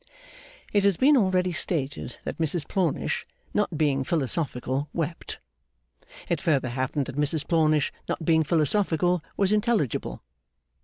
It has been already stated that Mrs Plornish, not being philosophical, wept. It further happened that Mrs Plornish, not being philosophical, was intelligible.